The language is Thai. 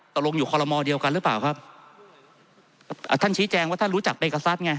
ตกลงอยู่คอลโมเดียวกันหรือเปล่าครับอ่าท่านชี้แจงว่าท่านรู้จักเอกษัตริย์ไง